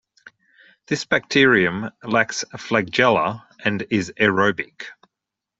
This bacterium lacks flagella and is aerobic.